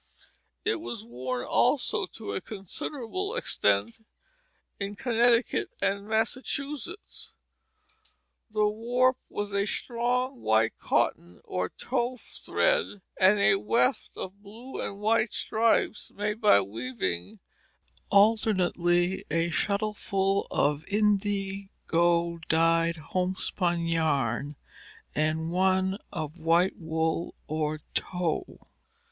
It was worn also to a considerable extent in Connecticut and Massachusetts. The warp was strong white cotton or tow thread, the weft of blue and white stripes made by weaving alternately a shuttleful of indigo dyed homespun yarn and one of white wool or tow.